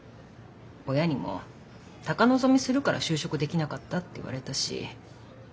親にも高望みするから就職できなかったって言われたし。